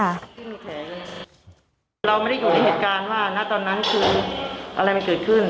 เราไม่ได้อยู่ในเหตุการณ์ว่าณตอนนั้นคืออะไรมันเกิดขึ้น